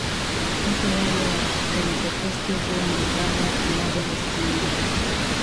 hasa yale ya Kipentekoste huwa na ibada ambazo hazijaandikwa